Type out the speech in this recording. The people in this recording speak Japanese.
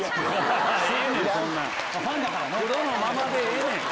黒のままでええねん。